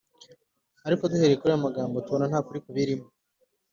Ariko duhereye kuri ayo magambo turabona ntakuri kubirimo